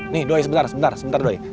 nih doi sebentar sebentar sebentar doi